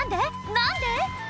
何で？